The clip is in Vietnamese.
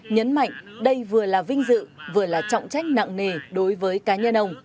nhấn mạnh đây vừa là vinh dự vừa là trọng trách nặng nề đối với cá nhân ông